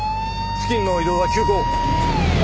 付近の移動は急行！